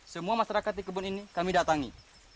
semua masyarakat di kebun ini kami datangi